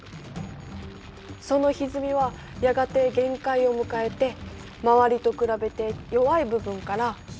そのひずみはやがて限界を迎えて周りと比べて弱い部分から小さな破壊が始まる。